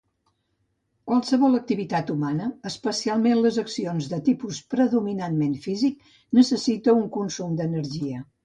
Qualsevol activitat humana, especialment les accions de tipus predominantment físic, necessita un consum d'energia.